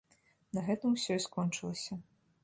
На гэтым усё і скончылася.